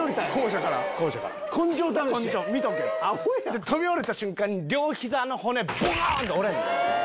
校舎から⁉飛び降りた瞬間に両膝の骨ボコン！って折れんねん。